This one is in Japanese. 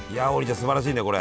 すばらしいねこれ。